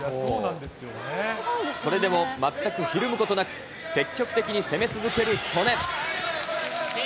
それでも、まったくひるむことなく、積極的に攻め続ける素根。